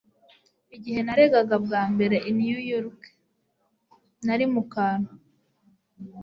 Igihe nageraga bwa mbere i New York, nari mu kantu.